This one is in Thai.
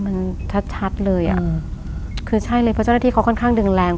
มันชัดชัดเลยอ่ะคือใช่เลยเพราะเจ้าหน้าที่เขาค่อนข้างดึงแรง